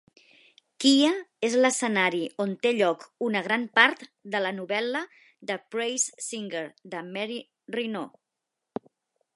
Kea és l'escenari on té lloc una gran part de la novel·la "The praise singer", de Mary Renault.